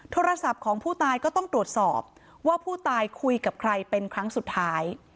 โทรศัพท์ของผู้ตายก็ต้องตรวจสอบว่าผู้ตายคุยกับใครเป็นครั้งสุดท้าย